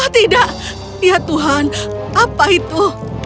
oh tidak ya tuhan apa itu